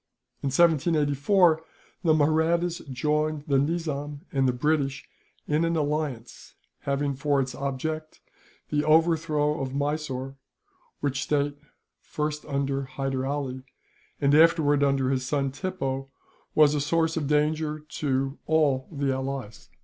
In 1784, the Mahrattas joined the Nizam and the British in an alliance, having for its object the overthrow of Mysore; which state, first under Hyder Ali, and afterwards under his son Tippoo, was a source of danger to all the allies.